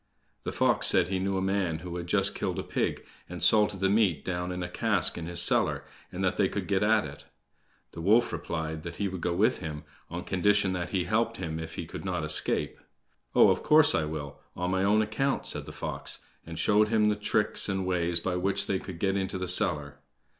The fox said he knew a man who had just killed a pig, and salted the meat down in a cask in his cellar, and that they could get at it. The wolf replied that he would go with him on condition that he helped him if he could not escape. "Oh, of course I will, on mine own account!" said the fox, and showed him the tricks and ways by which they could get into the cellar.